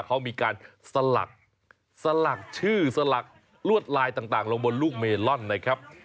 เขามีการสลักสลักชื่อสลักลวดลายต่างลงบนลูกเมลอนนะครับ